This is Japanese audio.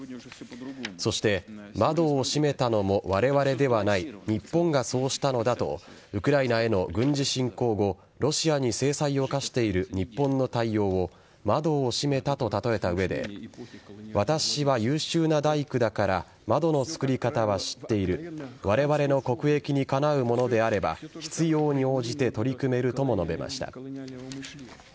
そして、窓を閉めたのもわれわれではない日本がそうしたのだとウクライナへの軍事侵攻後ロシアに制裁を科している日本の対応を窓を閉めたと例えた上で私は優秀な大工だから窓の作り方は知っているわれわれの国益にかなうものであれば必要に応じて取り組めるとも述べました。